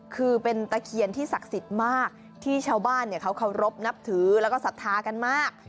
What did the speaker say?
คือเป็นตะเคียนที่ศักดิ์สิทธิ์มากที่ชาวบ้านเขาเคารพนับถือแล้วก็ศรัทธากันมาก